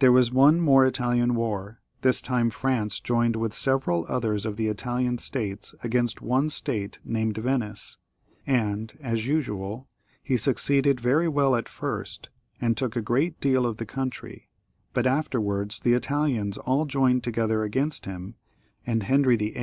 There was one more Italian war; this time France joined with several others of the Italian states against one state named Venice, and, as usual, he succeeded very well at first, and took a great deal of the country, but afterwards the Italians all joined together against him, and Henry VIII.